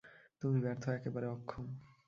তুমি ব্যর্থ, একেবারে অক্ষম।